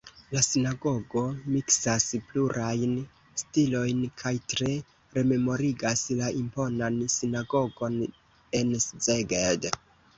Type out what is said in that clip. La sinagogo miksas plurajn stilojn kaj tre rememorigas la imponan sinagogon en Szeged.